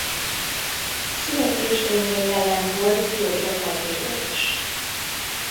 Születésénél jelen volt József Attila is.